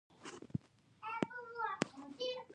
نن مې له سهاره سر را باندې دروند دی.